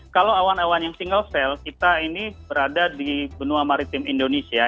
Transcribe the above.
kalau awan awan yang single cell kita ini berada di benua maritim indonesia